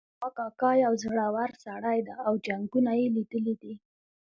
زما کاکا یو زړور سړی ده او جنګونه یې لیدلي دي